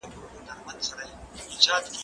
زه هره ورځ موبایل کاروم